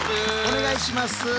お願いします。